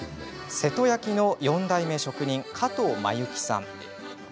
瀬戸焼の４代目職人加藤真雪さん。